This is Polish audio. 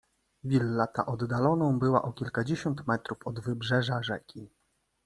"Willa ta oddaloną była o kilkadziesiąt metrów od wybrzeża rzeki."